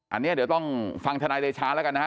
อันนี้เดี๋ยวต้องฟังธนายเดชาแล้วกันนะฮะ